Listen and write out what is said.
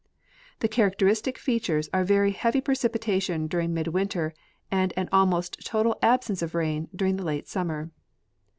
The chai'acteristic features are very heavy precipitation during midwinter, and an almost total absence of rain during the late summer.